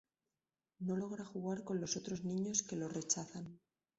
No logra jugar con los otros niños que lo rechazan.